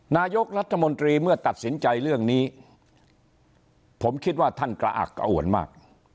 นายกรัฐมนตรีเมื่อตัดสินใจเรื่องนี้ผมคิดว่าท่านกระอักกระอ่วนมาก